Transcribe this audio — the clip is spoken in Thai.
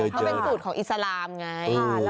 เขาเป็นสูตรของอิสลามไง